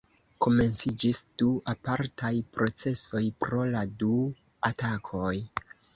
Komenciĝis du apartaj procesoj pro la du atakoj.